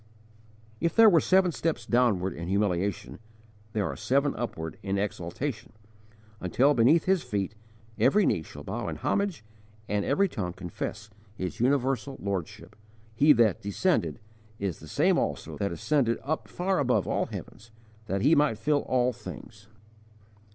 If there were seven steps downward in humiliation, there are seven upward in exaltation, until beneath His feet every knee shall bow in homage, and every tongue confess His universal Lordship. He that descended is the same also that ascended up far above all heavens, that He might fill all things.